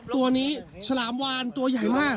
ตัวนี้ฉลามวานตัวใหญ่มาก